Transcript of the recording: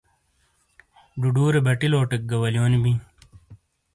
ڈُڈُورے بَٹی لوٹیک گہ وَلیونی ہِیں۔